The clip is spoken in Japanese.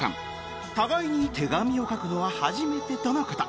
互いに手紙を書くのは初めてとの事